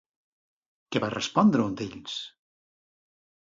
Què va respondre un d'ells?